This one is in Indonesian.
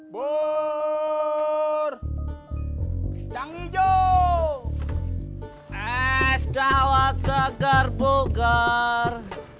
bur dan hijau es dawat segar bugar